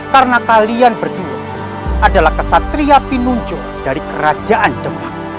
karena kalian berdua adalah kesatria pinunjuk dari kerajaan jemaah